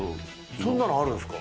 そんなのあるんですか？